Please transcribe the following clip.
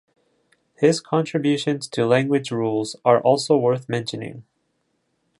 His contributions to language rules are also worth mentioning.